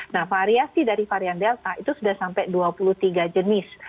nah variasi dari varian delta itu sudah sampai dua puluh tiga jenis